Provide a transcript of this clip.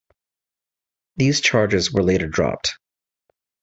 These charges were later dropped.